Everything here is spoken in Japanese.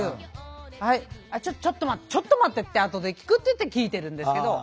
はいちょっと待ってちょっと待って後で聞くって言って聞いてるんですけど。